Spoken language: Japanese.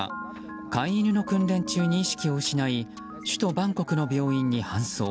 飼い犬の訓練中に意識を失い首都バンコクの病院に搬送。